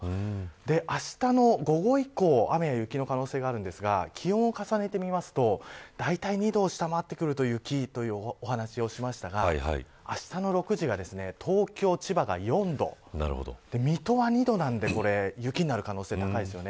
あしたの午後以降雨や雪の可能性があるんですが気温を重ねてみますと、だいたい２度を下回ってくるのがキーとお話をしましたがあしたの６時が東京、千葉が４度水戸は２度なので雪になる可能性高いです。